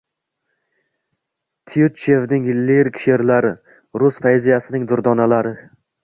Tyutchevning lirik she’rlari – rus poeziyasining durdonalari.